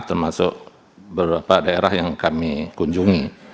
termasuk beberapa daerah yang kami kunjungi